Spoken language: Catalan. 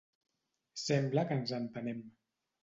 Sembla que ens entenem.